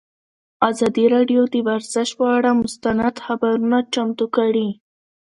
ازادي راډیو د ورزش پر اړه مستند خپرونه چمتو کړې.